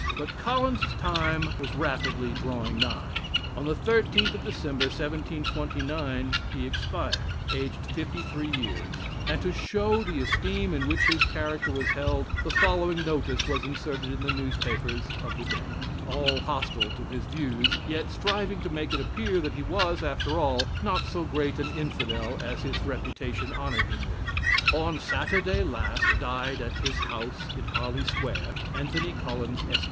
But Collins's time was rapidly drawing nigh. On the 13th of December, 1729, he expired, aged fifty three years; and to show the esteem in which his character was held, the following notice was inserted in the newspapers of the day all hostile to his views, yet striving to make it appear that he was, after all, not so great an Infidel as his reputation honored him with: "On Saturday last, died at his house in Harley Square, Anthony Collins, Esq.